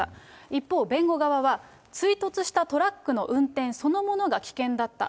一方、弁護側は、追突したトラックの運転そのものが危険だった。